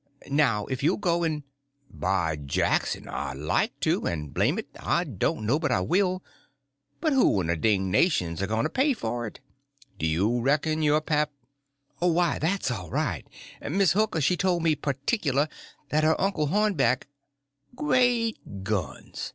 Now if you'll go and—" "By Jackson, I'd like to, and, blame it, I don't know but I will; but who in the dingnation's a going' to pay for it? Do you reckon your pap—" "Why that's all right. Miss Hooker she tole me, particular, that her uncle Hornback—" "Great guns!